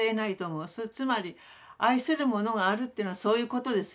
つまり愛する者があるというのはそういうことですよね。